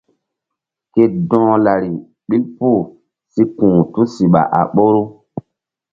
Ku dɔ̧h lari ɓil pul si ku̧h tusiɓa a ɓoru.